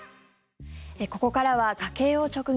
ここからは家計を直撃！